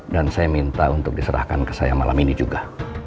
dan saya minta untuk diserahkan ke saya malam ini juga